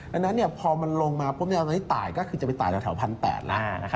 ดังนั้นพอมันลงมาปุ๊บตอนนี้ตายก็คือจะไปตายแถว๑๘๐๐แล้ว